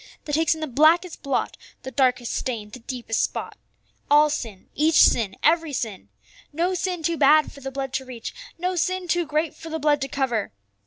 That takes in the blackest blot, the darkest stain, the deepest spot. All sin, each sin, every sin. No sin too bad for the blood to reach, no sin too great for the blood to cover.